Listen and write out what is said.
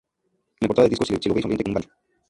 En la portada del disco se lo ve sonriente con un banjo.